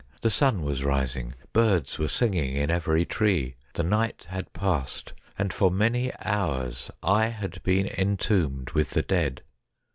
The sun was rising, birds were singing in every tree. The night had passed, and for many hours I had been entombed with the dead.